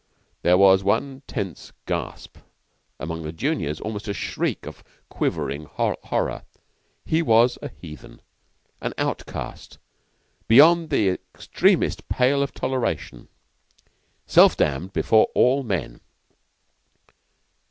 There was one tense gasp among the juniors almost a shriek of quivering horror, he was a heathen an outcast beyond the extremest pale of toleration self damned before all men.